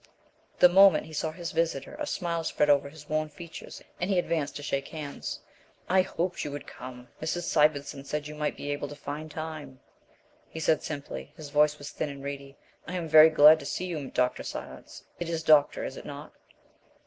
The moment he saw his visitor a smile spread over his worn features, and he advanced to shake hands. "I hoped you would come; Mrs. Sivendson said you might be able to find time," he said simply. His voice was thin and reedy. "I am very glad to see you, Dr. Silence. It is 'Doctor,' is it not?"